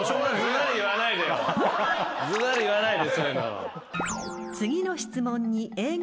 ずばり言わないでそういうの。